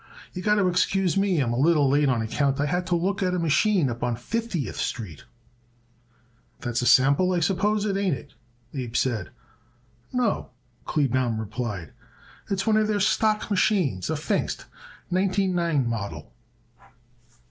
"You got to excuse me I'm a little late on account I had to look at a machine up on Fiftieth Street." "That's a sample I suppose, ain't it?" Abe said. "No," Kleebaum replied, "it's one of their stock machines, a Pfingst, nineteen nine model."